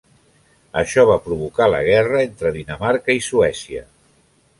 Això va provocar la guerra entre Dinamarca i Suècia.